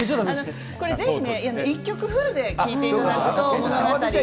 これ、ぜひね、１曲フルで聴いていただくと、物語が。